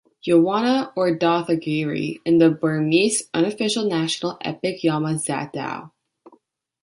Yawana or Datha-giri, in the Burmese unofficial national epic Yama Zatdaw.